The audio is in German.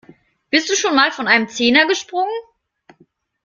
Bist du schon mal von einem Zehner gesprungen?